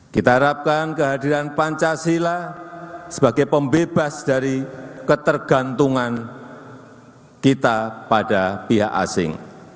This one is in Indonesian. kita harapkan kehadiran pancasila sebagai pembebas dari ketergantungan kita pada pihak asing